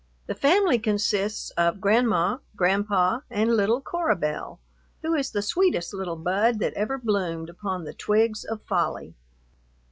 The family consists of Grandma, Grandpa, and little Cora Belle, who is the sweetest little bud that ever bloomed upon the twigs of folly.